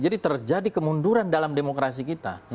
jadi terjadi kemunduran dalam demokrasi kita